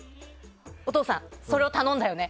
お父さんそれを頼んだよね！